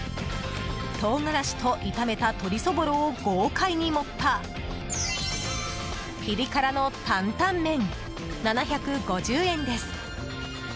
唐辛子と炒めた鶏そぼろを豪快に盛ったピリ辛の担々麺、７５０円です。